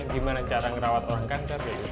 gimana cara merawat orang kanker